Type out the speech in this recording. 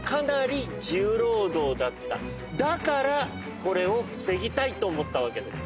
だからこれを防ぎたいと思ったわけです。